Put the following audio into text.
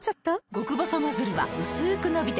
極細ノズルはうすく伸びて